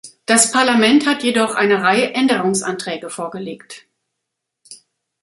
Das Parlament hat jedoch eine Reihe Änderungsanträge vorgelegt.